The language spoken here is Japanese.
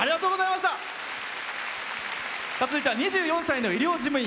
続いては２４歳の医療事務員。